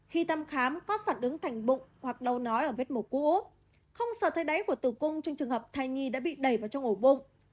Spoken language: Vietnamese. khi thăm khám có phản ứng thành bụng hoặc đau nói ở vết mổ cũ không sợ thấy đáy của tử cung trong trường hợp thai nhi đã bị đẩy vào trong ổ bụng